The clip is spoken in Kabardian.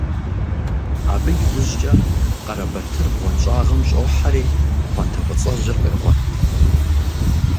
Абы иужькӀэ Къарэбатыр бгъуэнщӀагъым щӀохьэри пхъуантэ фӀыцӀэжьыр къегъуэт.